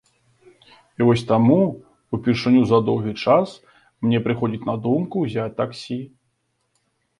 І вось таму ўпершыню за доўгі час мне прыходзіць на думку ўзяць таксі.